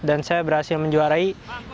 dan saya berhasil menjuarai